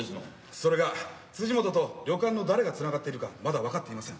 それが辻本と旅館の誰がつながっているかまだ分かっていません。